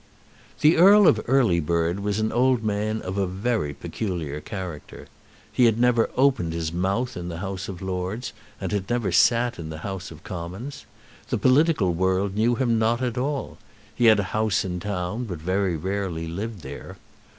The Earl of Earlybird was an old man of a very peculiar character. He had never opened his mouth in the House of Lords and had never sat in the House of Commons. The political world knew him not at all. He had a house in town, but very rarely lived there.